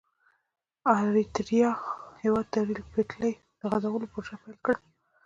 د اریتریا هېواد د ریل پټلۍ د غزولو پروژه پیل کړه.